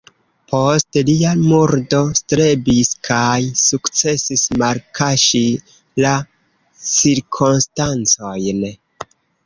Post lia murdo strebis kaj sukcesis malkaŝi la cirkonstancojn.